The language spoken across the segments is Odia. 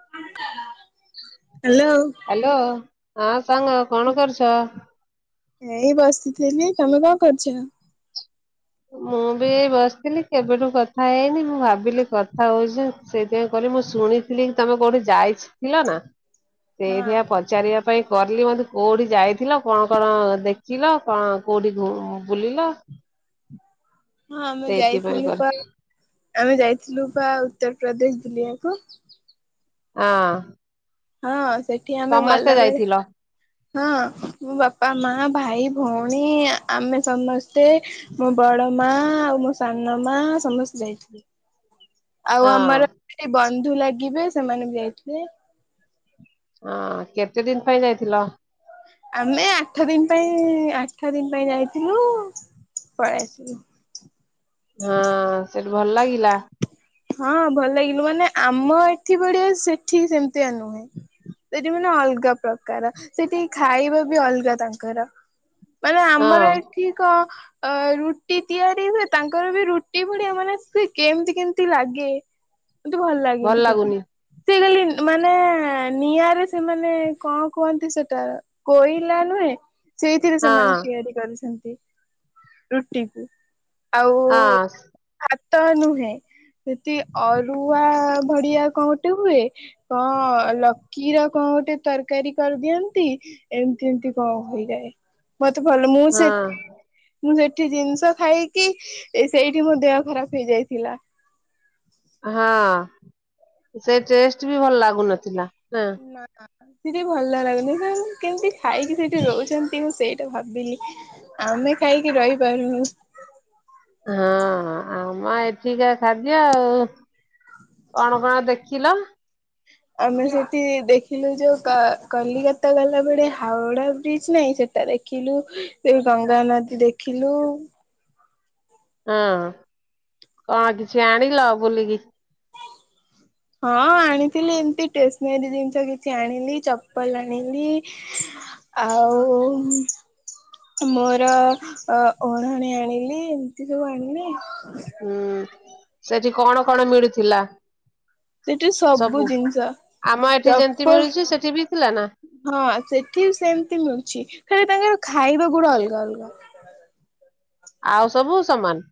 ହ୍ୟାଲୋ ହ୍ୟାଲୋ ହଁ ସାଙ୍ଗ କଣ କରୁଛ? ଏଇ ବସିଥିଲି ତମେ କଣ କରୁଛ? ମୁଁ ବି ଏଇ ବସିଥିଲି କେବେଠୁ କଥା ହେଇନି ମୁଁ ଭାବିଲି କଥା ହଉଛି ସେଇଥିପାଇଁ କହିଲ ମୁଁ ଶୁଣିଥିଲି କି ତମେ କୋଉଠି ଯାଇଥିଲ ନା ହଁ ସେଇଥି ପାଇଁ ପ ଚାରିବା ପାଇଁ କଲି ମତେ କୋଉଠି ଯାଇଥିଲ କଣ କଣ ଦେଖିଲ କଣ କୋଉଠି? ବୁଲିଲ। ହଁ ଆମେ ସେଇଥିପାଇଁ ଯାଇଥିଲୁ କରି ପା ଆମେ ଯାଇଥିଲୁ ପା ଉତ୍ତରପ୍ରଦେଶ ବୁଲିବାକୁ। ଆଁ ହଁ ସେଠି ଆମେ ଗଲାବେଳେ ଯାଇଥିଲ ହଁ ମୋ ବାପା ମା ଭାଇ ଭଉଣୀ ଆମେ ସମସ୍ତେ ମୋ ବଡ ମା ଆଉ ମୋ ସାନ ମା ସମସ୍ତେ ଯାଇଥିଲେ। [inaudible] ଆଉ ଆମର ଯିଏ ବନ୍ଧୁ ଲାଗିବେ ସେମାନେ ବି ଯାଇଥିଲେ। ଅଁ କେତେ ଦିନ ପାଇଁ ଯାଇଥିଲ? ଆମେ ଆଠ ଦିନ ପାଇଁ ଆଠ ଦିନ ପାଇଁ ଯାଇଥିଲୁ ପଳେଇଆସିଲୁ। ହଁ ସେଠି ଭଲ ଲାଗିଲା? ହଁ ଭଲ ଲାଗିଲୁ ମାନେ ଆମ ଏଠି ବଢିଆ ସେଠି ସେମିତିଆ ନୁହେଁ। ସେଠି ମାନେ ଅଲଗା ପ୍ରକାର ସେଠି ଖାଇବା ବି ଅଲଗା ତାଙ୍କର। ମାନେ ଆମର ହଁ ଏଠି- ତିକ ଅ ରୁଟି ତିଆରି ହୁଏ ତାଙ୍କର ବି ରୁଟି ଭଳିଆ ମାନେ ସେ କେମିତି କି ଚି ଲାଗେ ମତେ ଭଲ ଲାଗେନି ସେଠି। ସେ ଖାଲି ମାନେ ନିଆଁରେ ସେମାନେ କଣ କୁହନ୍ତି ସେଟା କୋଇଲା ନୁହେଁ। ସେଇଥିରେ ହଁ ସେମାନେ ତିଆରି କରିଛନ୍ତି ରୁଟି। ଆଉ ହଁ ଭାତ ନୁହେଁ। ସେଠି ଅରୁଆ ଭଡିଆ କଣ ଗୋଟେ ହୁଏ। କଣ ଲକିର କଣ ଗୋଟେ ତରକାରୀ କରିଦିଅନ୍ତି। ଏମିତି ଏମିତି କଣ ହେଇଯାଏ ମତେ ଭଲ ମୁଁ ସେଠି ହଁ ମୁଁ ସେଠି ଜିନିଷ ଖାଇକି ସେଇଠି ମୋ ଦେହ ଖରାପ ହେଇଯାଇଥିଲା। [inaudible] ହଁ ସେ ଟେଷ୍ଟ ବି ଭଲ ଲାଗୁନଥିଲା ନା। ନାନା। କିଛି ଭଲ ଲାଗୁନି କଣ କେମତି ଖାଇକି ସେଇଠି ଖାଇକି ରହୁଛନ୍ତି। ମୁଁ ସେଇଟା ଭାବିଲି। ଆମେ ଖାଇକି ରହିପାରୁଉ। ହଁ ହଁ ଆମ ଏଠିକ ଖାଦ୍ୟ ଆଉ। କଣ କଣ ଦେଖିଲ? ଆମେ ସେଠି ଦେଖିଲୁ ଯୋଉ କ କଲିକତା ଗଲାବେଳେ ହାଓଡା ବ୍ରିଜ ନାହିଁ ସେଟା ଦେ ଖିଲୁ ଏ ଗଙ୍ଗା ନଦୀ ଦେଖିଲୁ। ହଁ କଣ କିଛି ଆଣିଲ ବୁଲିକି? ହଁ ଆଣିଥିଲି ଏମତି ଟେସନାରୀ ଜିନିଷ କିଛି ଆଣିଲି ଚପଲ ଆଣିଲି ଆଉ ମୋର ଅଢଣୀ ଆଣିଲି ଏମିତି ସବୁ ଆଣିଲି। ହୁଁ ସେଠି କଣ କଣ ମିଳୁଥିଲା? ସେଠି ସବୁ ଜିନିଷ ଆମ ଏଠି ଯେମିତି ଚପଲ ମିଳୁଛି ସେଠି ବି ଥିଲା ନା? ହଁ ସେଠି ସେମିତି ମିଳୁଛି ଖାଲି ତାଙ୍କର ଖାଇବା ଗୁଡା ଅଲଗା ଅଲଗା। ଆଉ ସବୁ ସମାନ?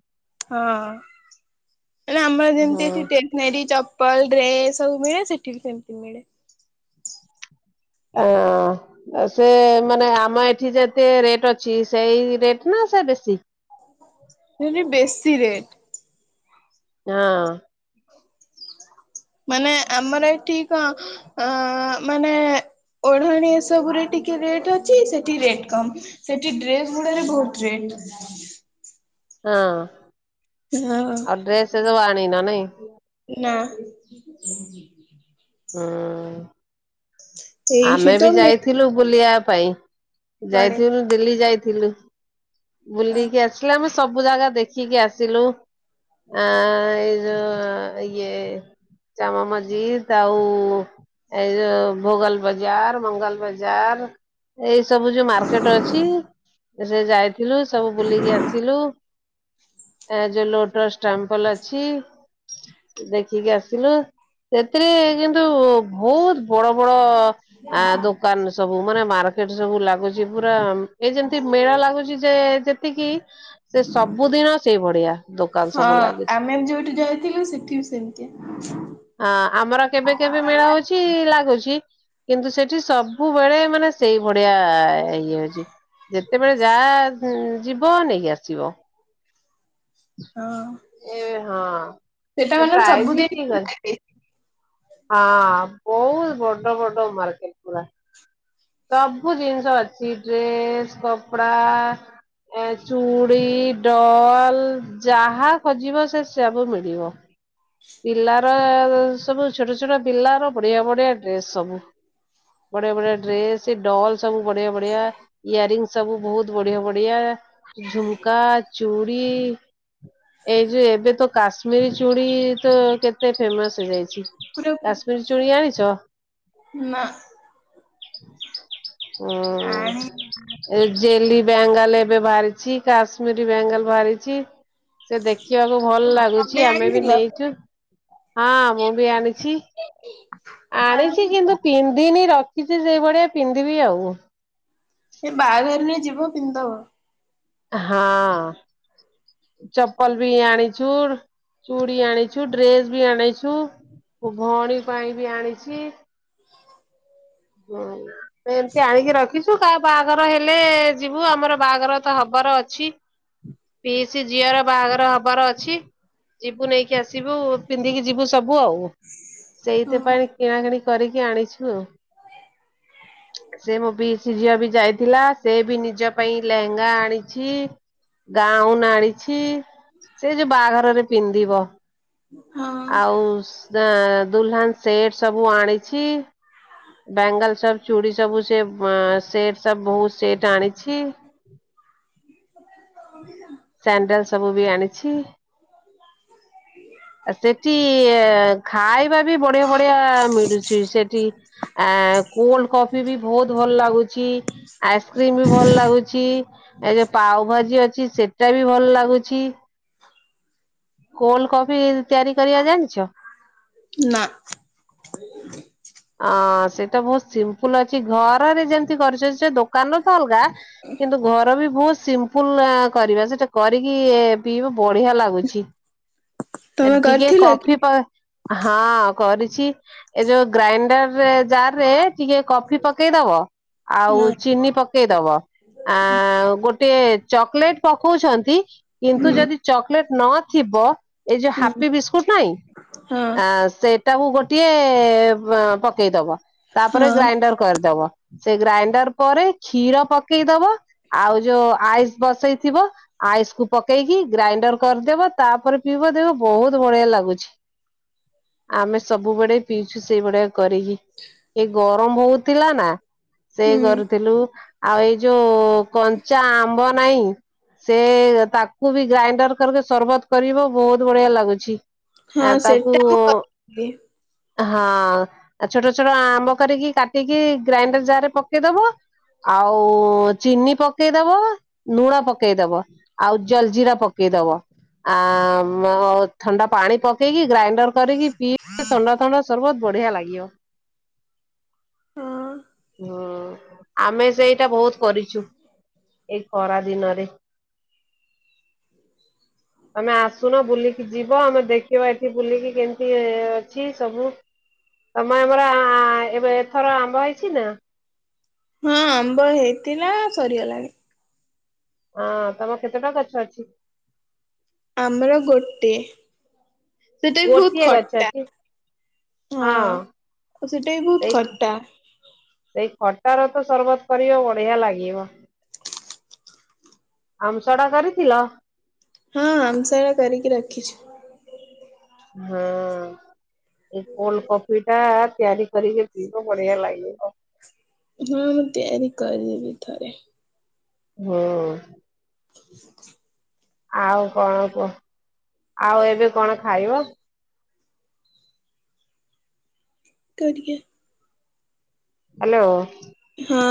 ହଁ ମାନେ ଆମର ହୁଁ ଯେମିତି ଟେ ନେରି ଚପଲ ଡ୍ରେସ୍ ସବୁ ମିଳେ ସେଠି ବି ସେମିତି ମିଳେ। ଅଁ ଅ। ସେ ମାନେ ଆମ ଏଠି ଯେତେ ରେଟ୍ ଅଛି ସେଇ ରେଟ ନା ସେ ବେଶୀ? ସେ ବେଶି ରେଟ। ହଁ। ମାନେ ଆମର ଏଠି କ ଅ ମାନେ ଓଢ଼ାଣି ଏସବୁ ରେ ଟିକେ ରେଟ୍ ଅଛି ସେଠି ରେଟ୍ କମ। ସେଠି ଡ୍ରେସ ଗୁଡାରେ ବହୁତ୍ ରେଟ। ହଁ ହଁ। ଆଉ ଡ୍ରେସ୍ ଯୋଉ ଅଣିନ ନାଇଁ? ନା। ହଁ। [inaudible] ଆମେ ତ ବି ମିଳେ ଯାଇଥିଲୁ ବୁଲିବା ପାଇଁ କୁଆଡେ। ଯାଇଥିଲୁ ଦିଲ୍ଲୀ ଯାଇଥିଲୁ। ବୁଲିକି ଆସିଲେ ଆମେ ସବୁ ଜାଗା ଦେଖିକି ଆସିଲୁ। ଆଁ ଇଏ ଯୋଉ ଇଏ ଜାମା ମଜିଦ ଆଉ ଏ ଯୋଉ ଭୋଗଲ ବଜାର ମଙ୍ଗଲ ବଜାର ଏଇ ସବୁ ଯୋଉ ମାର୍କେଟ ଅଛି ସେ ଯାଇ ଥିଲୁ ସବୁ ବୁଲିକି ଆସିଲୁ। ଏ ଯୋଉ ଲୋଟସ ଟେମ୍ପଲ ଅଛି ଦେଖିକି ଆସିଲୁ। ସେଥିରେ କିନ୍ତୁ ବହୁତ ବଡ ବଡ ଆ ଦୋ କାନ ସବୁ ମାନେ ମାର୍କେଟ ସବୁ ଲାଗୁଛି। ଯିଏ ପୁରା ଏଇ ଯେମିତି ମେଳା ଲାଗୁଛି ଯେ ଯେତିକି ସେ ସବୁଦିନ ସେଇ ଭଳିଆ। ଦୋକାନ ହଁ, ସବୁ ଲାଗିଛି ଆମେ ବି ଯୋଉଠି ଯାଇଥିଲୁ ସେଠି ବି ସେମିତିଆ। ହଁ ଆମର କେବେ କେବେ ମେଳା ହଉଛି ଲାଗୁଛି। କିନ୍ତୁ ସେଠି ସବୁବେଳେ ମାନେ ସେଇ ବଡିିଆ ଇଏ ହେଇଛି। ଯେତେବେଳେ ଯା ଯିବ ନେଇକି ଆସିବ। ହଁ। ଏ ହଁ ସେଟା ସେ ମାନେ ପ୍ରାୟଜ ବି ସବୁଦିନ ଠିକଅଛି। ହଁ ବହୁତ ବଡ ବଡ ମାର୍କେଟ ପୁରା ସବୁ ଜିନିଷ ଅଛି ଡ୍ରେସ କପଡା ଏ ଚୁଡ଼ି ଡଲ ଯାହା ଖୋଜିବ ସେ ସବୁ ମିଳିବ। ପିଲାର ସବୁ ଛୋଟ ଛୋଟ ପିଲାର ବଢିଆ ବଢିଆ ଡ୍ରେସ ସବୁ। ବଢିଆ ବଢିଆ ଡ୍ରେସ ଡଲ ସବୁ ବଢିଆ ବଢିଆ। ଇୟରରୀଙ୍ଗ ସବୁ ବହୁତ ବଢିଆ ବଢିଆ, ଝୁମକା, ଚୁଡ଼ି ଏଇ ଯୋଉ ଏବେ ତ କାଶ୍ମୀରୀ ଚୁଡି କେତେ ଫେମସ ହେଇଯାଇଛି ପୁରା କାଶ୍ମୀର ଚୁଡ଼ି ଆଣିଛ? ନା ହୁଁ ଆଣି ଏ ଜେଲି ବ୍ୟାଙ୍ଗାଲ ଏବେ ବାହାରିଛି କାଶ୍ମୀରୀ ବ୍ୟାଙ୍ଗାଲ ବାହାରିଛି। ସେ ଦେଖିବାକୁ ଭଲ ଲାଗୁଛି ତମେ ଆମେ ବି ଆଣିଥିଲ? ନେଇଛୁ ହଁ ମୁଁ ବି ଆଣିଛି। ଆଣିଛି କିନ୍ତୁ ପିନ୍ଧିନି ରଖିଛି ସେଇଭଳିଆ ପିନ୍ଧିବି ଆଉ ଏ ବାହାଘରରେ ଯିବ ପିନ୍ଧିଦବ। ହଁ। ଚପଲ ବି ଆଣିଛୁ ଚୁଡ଼ି ଆଣିଛୁ ଡ୍ରେସ୍ ବି ଆଣିଛୁ। ମୁଁ ଭଅଣୀ ପାଇଁ ବି ଆଣିଛି। ହୁଁ ଏମତି ଆଣିକି ରଖିଛୁ। କାହା ବାହାଘର ହେଲେ ଯିବୁ ଆମର ବାହାଘର ତ ହବାର ଅଛି। ପିଇସି ଝିଅର ବାହାଘର ହବାର ଅଛି। ଯିବୁ ନେଇକି ଆସିବୁ ପିନ୍ଧିକି ଯିବୁ ସବୁ ଆଉ ହଁ। ସେଇଥିପାଇଁ କିଣା କିିଣି କରିକି ଆଣିଛୁ ଆଉ ସେ ମୋ ପିଇସି ଝିଅ ବି ଯାଇଥିଲା ସେ ବି ନିଜ ପାଇଁ ଲେହେଙ୍ଗା ଆଣିଛି। ଗାଉନ ଆଣିଛି। ସେ ଯୋଉ ବାହାଘରରେ ପିନ୍ଧିବ ଆଉ ହଁ ଦୁଲନ ସେଟ ସବୁ ଆଣିଛି ବ୍ୟାଙ୍ଗଲ ସବୁ ଚୁଡ଼ି ସବୁ ସେ ସେଟ ସବୁ ସେଟ୍ ଆଣିଛି। ସାଣ୍ଡେଲ ସବୁ ବି ଆଣିଛି। ଆ ସେଠି ଖାଇବା ବି ବଢିଆ ବଢିଆ ମିଳୁଛି ସେଠି। ଆଁ କୋଲ୍ଡ କଫ ବି ବହୁତ ଭଲ ଲାଗୁଛି ଆଇସ୍କ୍ରିମ ବି ଭଲ ଲାଗୁଛି ଏ ଯୋଉ ପାଉଭାଜ ଜି ଅଛି ସେଟା ବି ଭଲ ଲାଗୁଛି। କୋଲ୍ଡ କଫି ତିଆରି କରିବା ଜାଣିଛ? ନାଁ। ଅଁ ସେଇଟା ବହୁତ ସିମ୍ପୁଲ୍ ଅଛି ଘରରେ ଯେମିତି କରିଛନ୍ତି ସେ ଦୋ କାନର ତ ଅଲଗା କିନ୍ତୁ ଘର ବି ବହୁତ ସି ଫୁଲ କରିବା ସେଟା କରିକି ପିଇବୁ ବଢିଆ ଲାଗୁଛି। ତମେ ଟିକେ କରିଥିଲ କି? କଫି ପା ହଁ କରିଛି ଏ ଯୋଉ ଗ୍ରାଇଣ୍ଡରେ ଜାରରେ ଟିକିଏ କଫି ପକେଇଦବ ଆଉ ହଁ ଚିନି ପକେଇଦବ ଆ ଗୋଟେ ଯେ ଚକଲେଟ୍ ପକଉଛନ୍ତି କିନ୍ତୁ ଯଦି ଚକଲେଟ୍ ନଥିବ ଏଇ ଯୋଉ ହୁଁ ହାପି ବିସ୍କୁଟ ନାଇଁ ହଁ ଆ ସେ ତାକୁ ଗୋଟିଏ ପ ପକେଇଦବ ତାପରେ ହଁ ଗ୍ରାଇଣ୍ଡର କରିଦବ। ସେ ଗ୍ରାଇଣ୍ଡର ପରେ କ୍ଷୀର ପକେଇଦବ ଆଉ ଯୋଉ ଆଇସ୍ ବସେଇଥିବ ଆଇସ୍ କୁ ପକେଇକି ଗ୍ରାଇଣ୍ଡର କରିଦେବ ତାପରେ ପିଇବଦେଖିବ ବହୁତ ବଢିଆ ଲାଗୁଛି ଆମେ ସବୁବେଳେ ପିଇଉଛୁ ସେଇଭଳିଆ କରିକି ଏ ଗରମ ହଉଥିଲା ନା ସେ ହୁଁ କରୁଥିଲୁ ଆଉ ଏଇ ଯୋଉ କଞ୍ଚା ଆମ୍ବ ନାଇଁ? ସେ ତାକୁ ବି ଗ୍ରାଇଣ୍ଡର କରିକି ସରବତ୍ କରିବ ବହୁତ ବଢିଆ ଲାଗୁଛି। ହଁ ଆ ତାକୁ ସେଟା ମୁଁ କରିଥିଲି ହଁ ଛୋଟ ଛୋଟ ଆମ୍ବ କରିକି କାଟିକି ଗ୍ରାଇଣ୍ଡର ଯାରରେ ପକେଇଦବ ଆଉ ଚିନି ପକେଇଦବ ଲୁଣ ପକେଇଦବ ଆଉ ଜଲଜିିରା ପକେଇଦବ ଆ ମଥଣ୍ଡା ପାଣି ପକେ ପକେଇକି ଗ୍ରାଇଣ୍ଡର କରିକି ପିଇବ ଥଣ୍ଡା ଥଣ୍ଡା ସର୍ବତ୍ ବଢିଆ ଲାଗିବ। ହଁ ହୁଁ। ଆମେ ସେଇଟା ବହୁତ କରିଛୁ ଏଇ ଖରା ଦିନରେ। ତମେ ଆସ ଆଶୁନ ବୁଲିକି ଯିବ ଆମେ ଦେଖିବା ଏଠି ବୁଲିକି କେମିତି ଅଛି ସବୁ। ତମେ ଆମର ଆଁ ଏବେ ଏଥର ଆମ୍ବ ହେଇଛି ନା? ହଁ ଆମ୍ବ ହେଇଥିଲା ସରିଗଲାଣି। ହଁ ତମର କେତେଟା ଗଛ ଅଛି? ଆମର ଗୋଟେ ସେଟା ବି ବହୁତ ଗୋଟିଏ ଗଛ ଖଟା। ଅଛି ହଁ ସେଟା ବି ବହୁତ ସେଇ ଖଟା। ସେଇ ଖଟା ର ତ ସରବତ୍ କରିବ ବଢିଆ ଲାଗିବ। ଆମ୍ବସଡା କରିଥିଲ? ହଁ ଆମ୍ ସରା କରିକି ରଖିଛୁ। ହଁ। ଏଇ କୋଲଡ କଫି ଟା ତିଆରି କରିକି ପିଇବ ବଢିଆ ଲାଗିବ। ହଁ ମୁଁ ତିଆରି କରିଦେବି ଥରେ। ହଁ। [inaudible] ଆଉ କଣ କୁହ ଆଉ ଏବେ କଣ ଖାଇବ? କରିିଆ ହାଲୋ। ହଁ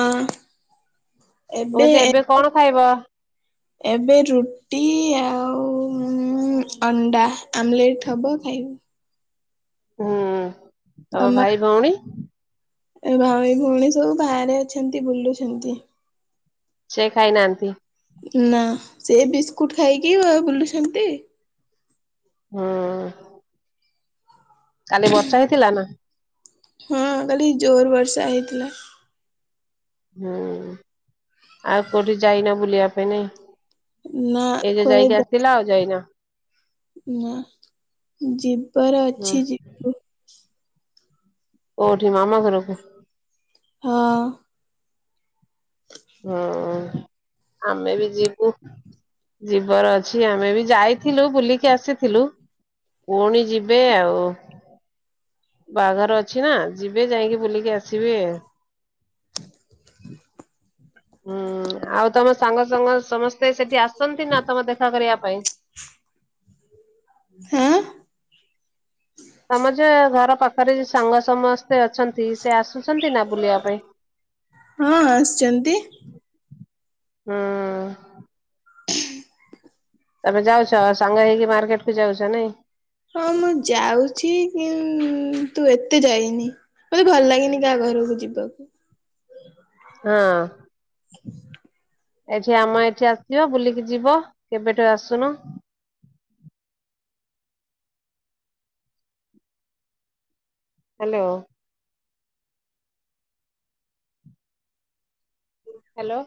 ଏବେ କହୁଛି ଏବେ କଣ ଖାଇବ [inaudible] ଏବେ ରୁଟି ଆଉ ଅଣ୍ଡା ଆମଲେଟ୍ ହେବ ଖାଇବୁ। ହୁଁ। ତମ ତମା ଭାଇ ଭଉଣୀ ଏ ଭାଇ ଭଉଣୀ ସବୁ ବାହାରେ ଅଛନ୍ତି ବୁଲୁଛନ୍ତି। ସେ ଖାଇନାହାନ୍ତି? ନା ସେ ବିସ୍କୁଟ୍ ଖାଇକି ବୁଲୁଛନ୍ତି। ହୁଁ। କାଲି ବର୍ଷା ହେଇଥିଲା ନା? ହୁଁ କାଲି ଜୋରେବର୍ଷା ହେଇଥିଲା। ହୁଁ ଆଉ କୋଉଠି ଯାଇନ ବୁଲିବା ପାଇଁ ନାଇଁ? ନା ଏଇ ଯେ ଯାଇକି କୁଆଡେ ଆସିଥିଲ ଆଉ ଯାଇନ? ନା ଯିବାର ହୁଁ ଅଛି ଯି କୋଉଠି ମାମୁ ଘରକୁ? ହଁ। ହଁ। ଆମେ ବି ଯିବୁ। ଯିବାର ଅଛି ଆମେ ବି ଯାଇଥିଲୁ ବୁଲିକି ଆସିଥିଲୁ। ପୁଣି ଯିବେ ଆଉ। ବାହାଘର ଅଛି ନା ଯିବେ ଯାଇକି ବୁଲିକି ଆସିବେ। ହୁଁ ଆଉ ତମ ସାଙ୍ଗ ସାଙ୍ଗ ସମସ୍ତେ ସେଠି ଆସନ୍ତି ନା ତମ ଦେଖା କରିବା ପାଇଁ? ହଁ। ତମର ଯିଏ ଘର ପାଖରେ ସାଙ୍ଗ ସମସ୍ତେ ଅଛନ୍ତି ସେ ଆସ ଆସନ୍ତି ନା ବୁଲିବା ପାଇଁ? ହଁ ଆସିଛନ୍ତି। ହଁ। ତମେ ଯାଉଛ ସାଙ୍ଗ ହେଇକି ମାର୍କେଟକୁ ଯାଉଛ ନାଇଁ? ହଁ ମୁଁ ଯାଉଛି କିନ୍ ତୁ ଏତେ ଯାଇନି। ମତେ ଭଲ ଲାଗେନି କାହା ଘରକୁ ଯିବାକୁ। ହଁ। ଏଠି ଆମ ଏଠି ଆସିବ ବୁଲିକି ଯିବ କେବେଠୁ ଆସୁନ। ହାଲୋ। ହାଲୋ।